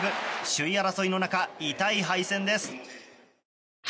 首位争いの中、痛い敗戦です。